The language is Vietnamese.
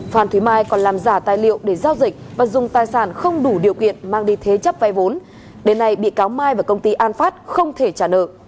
phan thế mai còn làm giả tài liệu để giao dịch và dùng tài sản không đủ điều kiện mang đi thế chấp vay vốn đến nay bị cáo mai và công ty an phát không thể trả nợ